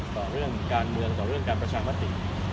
ต่อเรื่องการเมืองต่อเรื่องการประชามติ